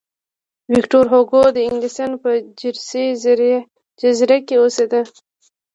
ویکتور هوګو د انګلستان په جرسي جزیره کې اوسېده.